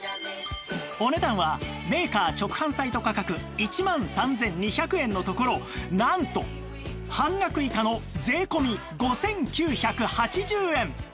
お値段はメーカー直販サイト価格１万３２００円のところなんと半額以下の税込５９８０円！